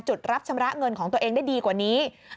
จุดรับชำระเงินของตัวเองได้ดีกว่านี้